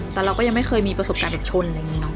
แต่เราก็ยังไม่เคยมีประสบการณ์เด็กชนอะไรอย่างนี้เนาะ